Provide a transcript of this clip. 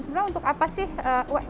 sebenarnya untuk apa sih izin itu terutama